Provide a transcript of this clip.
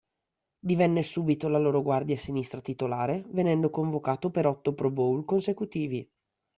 Divenne subito la loro guardia sinistra titolare, venendo convocato per otto Pro Bowl consecutivi.